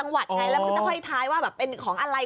มันก็จะก่อใดไหว้ไม่คิดว่าเป็นของอะไร